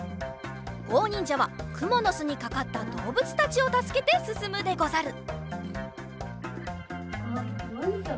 ごうにんじゃはくものすにかかったどうぶつたちをたすけてすすむでござる。